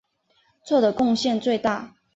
做的贡献最大。